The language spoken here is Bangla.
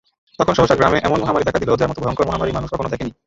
তখন সহসা শামে এমন মহামারী দেখা দিল যার মত ভয়ংকর মহামারী মানুষ কখনো দেখেনি।